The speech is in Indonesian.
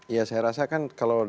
ya saya rasa kan kalau